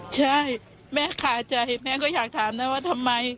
ใช่แม่ขาใจแม่ก็อยากถามนะว่าทำไม